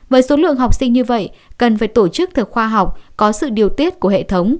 với số lượng học sinh như vậy cần phải tổ chức thực khoa học có sự điều tiết của hệ thống